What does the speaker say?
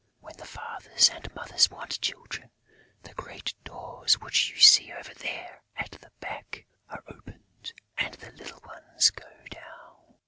When the fathers and mothers want children, the great doors which you see over there, at the back, are opened; and the little ones go down...."